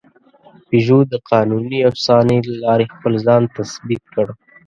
پيژو د قانوني افسانې له لارې خپل ځان تثبیت کړ.